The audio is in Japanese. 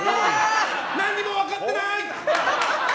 何も分かってない！